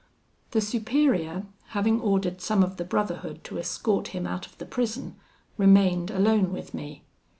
"The Superior, having ordered some of the brotherhood to escort him out of the prison, remained alone with me.